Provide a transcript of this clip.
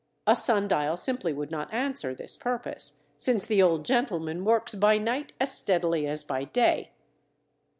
A sun dial simply would not answer this purpose, since the old gentleman works by night as steadily as by day.